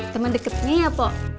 temen deketnya ya po